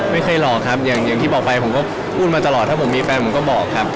ไม่เคยหลอกครับอย่างที่บอกไปผมก็พูดมาตลอดถ้าผมมีแฟนผมก็บอกครับ